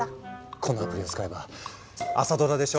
このアプリを使えば朝ドラでしょ？